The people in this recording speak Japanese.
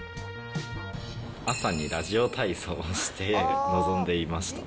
朝にラジオ体操をして臨んでいました。